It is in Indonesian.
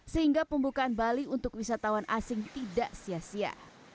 sehingga pembukaan bali untuk wisatawan asing tidak sia sia